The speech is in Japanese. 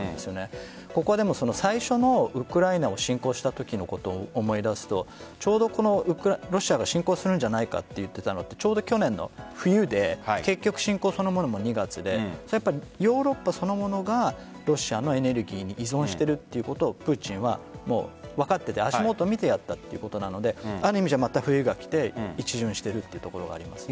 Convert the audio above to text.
ここは最初のウクライナを侵攻したときのことを思い出すとちょうどロシアが侵攻するんじゃないかと言っていたのはちょうど去年の冬で結局、侵攻そのものも２月でヨーロッパそのものがロシアのエネルギーに依存しているということをプーチンは分かっていて足元を見てやったということなのである意味、冬が来て一巡しているというところがあります。